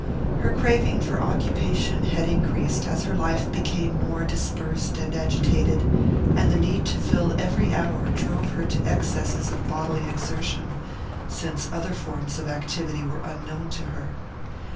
Her craving for occupation had increased as her life became more dispersed and agitated, and the need to fill every hour drove her to excesses of bodily exertion, since other forms of activity were unknown to her.